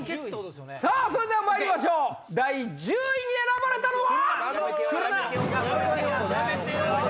それではまいりましょう第１０位に選ばれたのは？